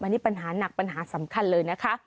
อันนี้ปัญหาหนักปัญหาสำคัญเลยนะคะ